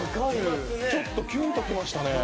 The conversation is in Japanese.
ちょっとキュンときましたね。